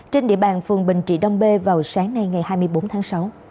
trên địa bàn phường bình trị đông bê vào sáng nay ngày hai mươi bốn tháng sáu